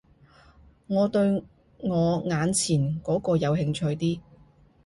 我對我眼前嗰個有興趣啲